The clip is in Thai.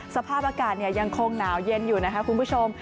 สภาพอากาศยังคงหนาวเย็นอยู่นะคะคุณผู้ชม